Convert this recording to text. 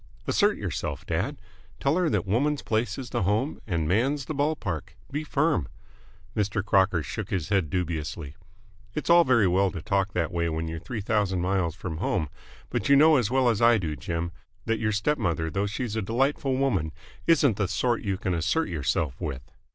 "Assert yourself, dad! Tell her that woman's place is the home and man's the ball park! Be firm!" Mr. Crocker shook his head dubiously. "It's all very well to talk that way when you're three thousand miles from home, but you know as well as I do, Jim, that your step mother, though she's a delightful woman, isn't the sort you can assert yourself with.